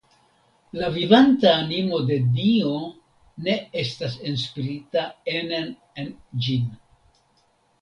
La vivanta animo de Dio ne estas enspirita enen en ĝin.